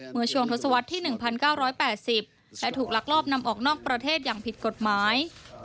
เมื่อช่วงทศวรรษที่๑๙๘๐และถูกลักลอบนำออกนอกประเทศอย่างผิดกฎหมาย